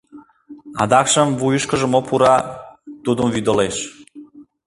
Адакшым вуйышкыжо мо пура, тудым вӱдылеш.